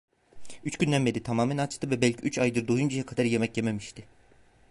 Üç günden beri tamamen açtı ve belki üç aydır doyuncaya kadar yemek yememişti.